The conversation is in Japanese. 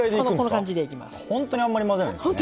ほんとにあんまり混ぜないんですね。